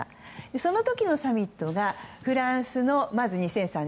その時のサミットがフランスのまず２００３年